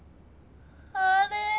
あれ？